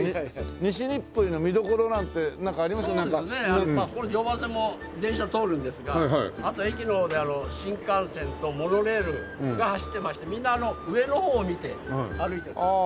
やっぱ常磐線も電車通るんですがあと駅の方で新幹線とモノレールが走ってましてみんなあの上の方を見て歩いてます。